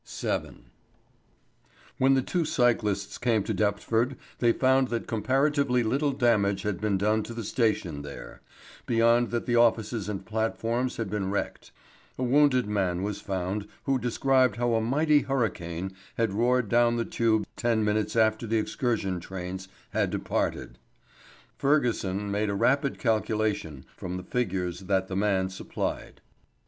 VII. When the two cyclists came to Deptford, they found that comparatively little damage had been done to the station there, beyond that the offices and platforms had been wrecked. A wounded man was found, who described how a mighty hurricane had roared down the tube ten minutes after the excursion trains had departed. Fergusson made a rapid calculation from the figures that the man supplied.